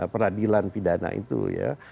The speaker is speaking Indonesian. peradilan pidana itu ya